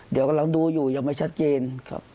เดี๋ยวกำลังดูอยู่ยังไม่ชัดเจนครับ